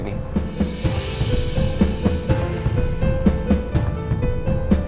begitu tau soal ini